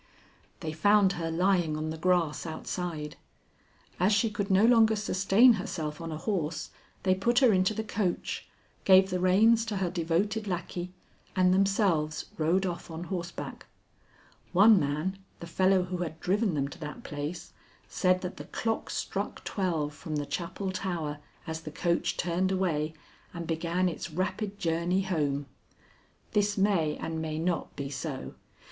"They found her lying on the grass outside. As she could no longer sustain herself on a horse, they put her into the coach, gave the reins to her devoted lackey, and themselves rode off on horseback. One man, the fellow who had driven them to that place, said that the clock struck twelve from the chapel tower as the coach turned away and began its rapid journey home. This may and may not be so.